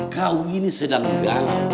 kau ini sedang galau